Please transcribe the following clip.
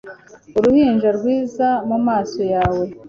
uruhinja rwiza, mumaso yawe